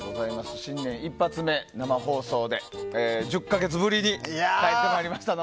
新年１発目、生放送で１０か月ぶりに帰ってまいりました。